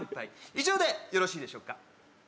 以上でよろしいでしょうか？